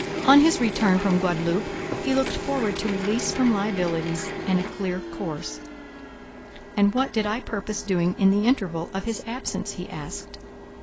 On his return from Guadaloupe, he looked forward to release from liabilities and a clear course; and what did I purpose doing in the interval of his absence? he asked.